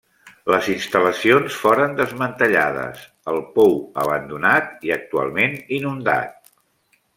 Les instal·lacions foren desmantellades, el pou abandonat i actualment inundat.